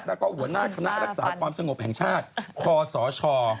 แล้วก็หัวหน้าคณะรักษาความสงบแห่งชาติคศ